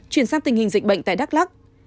chuyển sang tình hình dịch bệnh tại đắk lắc